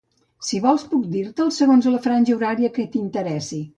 Si vols puc dir-te'ls segons la franja horària que t'interessi.